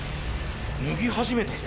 脱ぎ始めたぞ。